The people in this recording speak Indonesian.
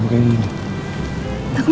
bukan yakin tau